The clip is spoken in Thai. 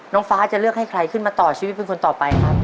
น้องฟ้าจะเลือกให้ใครขึ้นมาต่อชีวิตเป็นคนต่อไปครับ